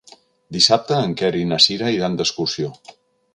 Dissabte en Quer i na Cira iran d'excursió.